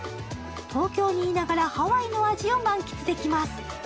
東京にいながらハワイの味を満喫できます。